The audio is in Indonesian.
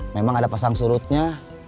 memang ada pasang surutnya